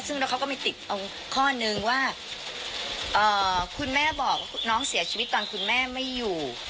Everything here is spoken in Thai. ซึ่งแล้วเขาก็ไม่ติดเอาข้อนึงว่าคุณแม่บอกน้องเสียชีวิตตอนคุณแม่ไม่อยู่